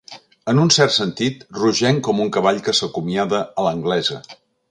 En un cert sentit, rogenc com un cavall que s'acomiada a l'anglesa.